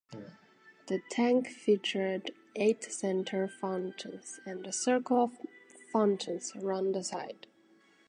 The tank featured eight central fountains, and a circle of fountains around the side.